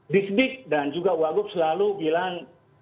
disdik dan juga wagub selalu bilang